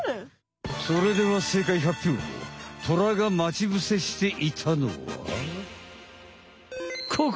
それではトラが待ち伏せしていたのはここ！